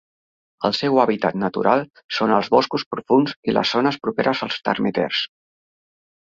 El seu hàbitat natural són els boscos profunds i les zones properes als termiters.